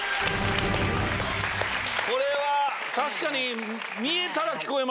これは確かに。